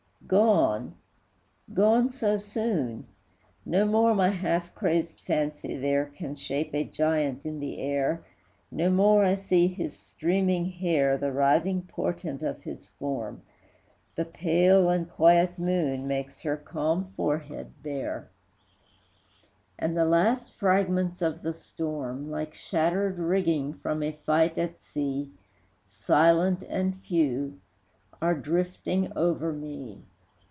Gone, gone, so soon! No more my half crazed fancy there Can shape a giant in the air, No more I see his streaming hair, The writhing portent of his form; The pale and quiet moon Makes her calm forehead bare, And the last fragments of the storm, Like shattered rigging from a fight at sea, Silent and few, are drifting over me.